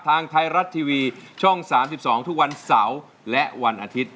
ทางไทยรัฐทีวีช่อง๓๒ทุกวันเสาร์และวันอาทิตย์